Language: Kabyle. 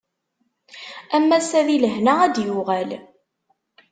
Am wass-a di lehna ad d-yuɣal.